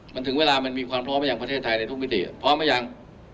มันถึงเวลามันมีความพร้อมไปยังประเทศไทยในทุกมิติพร้อมหรือยัง